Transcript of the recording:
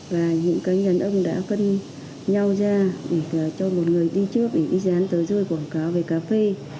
và những cá nhân ông đã cân nhau ra để cho một người đi trước để đi dán tới rơi quảng cáo về cà phê